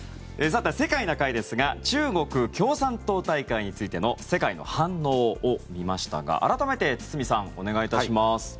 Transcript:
さて、「世界な会」ですが中国共産党大会についての世界の反応を見ましたが改めて堤さん、お願いいたします。